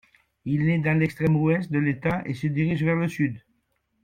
Il naît dans l'extrême ouest de l'État et se dirige vers le sud.